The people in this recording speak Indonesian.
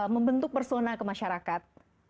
membentuk persona ke masyarakat